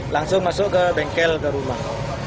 langsung masuk ke bengkel ke rumah